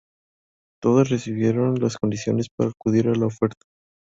Todas recibieron las condiciones para acudir a la oferta.